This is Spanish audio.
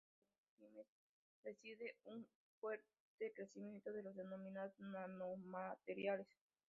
Un reciente informe de Small Times predice un fuerte crecimiento de los denominados nanomateriales.